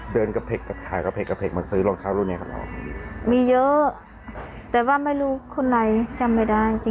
เดินกระเพกกระหายกระเพกกระเพกมาซื้อรองเท้ารุ่นนี้กับเรามีเยอะแต่ว่าไม่รู้คนไหนจำไม่ได้จริง